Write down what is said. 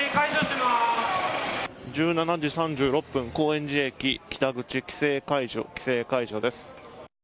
１７時３６分、高円寺駅北口規制解除です。